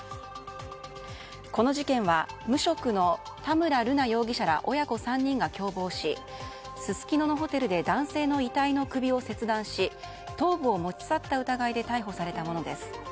この事件は無職の田村瑠奈容疑者ら親子３人が共謀しすすきののホテルで男性の遺体の首を切断し頭部を持ち去った疑いで逮捕されたものです。